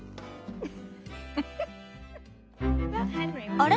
あれ？